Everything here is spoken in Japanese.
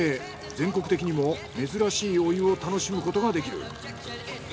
全国的にも珍しいお湯を楽しむことができる。